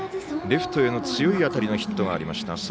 レフトへの強い当たりのヒットがありました。